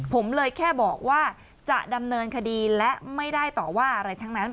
ผมเลยแค่บอกว่าจะดำเนินคดีและไม่ได้ต่อว่าอะไรทั้งนั้น